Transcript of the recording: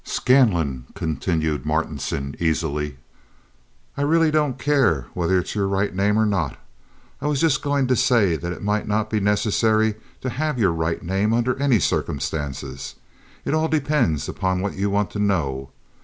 "Scanlon," continued Martinson, easily. "I really don't care whether it's your right name or not. I was just going to say that it might not be necessary to have your right name under any circumstances—it all depends upon what you want to know.